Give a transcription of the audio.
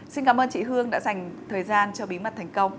xin cảm ơn chị hương đã dành thời gian cho bí mật thành công